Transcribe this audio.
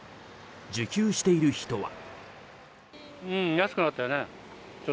受給している人は。